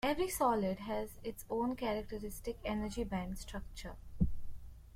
Every solid has its own characteristic energy-band structure.